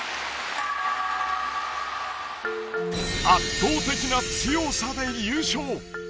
圧倒的な強さで優勝。